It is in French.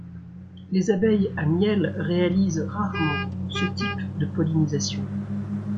Les abeilles à miel réalisent rarement ce type de pollinisation.